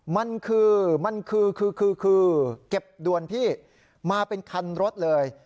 มันคือเก็บด่วนพี่มาเป็นคันรถเลย